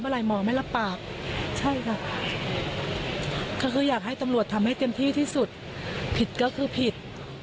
ใช่ค่ะเขาคือยากให้ตำรวจทำให้เต็มที่ที่สุดผิดก็คือผิด